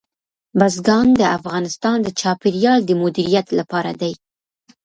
بزګان د افغانستان د چاپیریال د مدیریت لپاره دي.